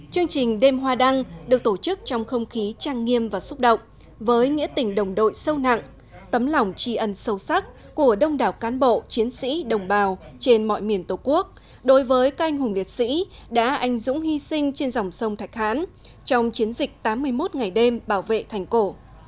chương trình đêm hoa đăng được tổ chức trong không khí trang nghiêm và xúc động với nghĩa tình đồng đội sâu nặng tấm lòng tri ân sâu sắc của đông đảo cán bộ chiến sĩ đồng bào trên mọi miền tổ quốc đối với canh hùng liệt sĩ đã anh dũng hy sinh trên dòng sông thạch hãn trong chiến dịch tám mươi một ngày đêm bảo vệ thành cổ